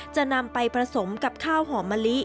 จะนำไปผสมกับข้าวหอมมะลิ